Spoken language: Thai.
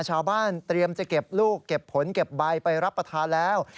ชาวบ้านเตรียมจะเก็บลูกเก็บผลเก็บใบไปรับประทานแล้ว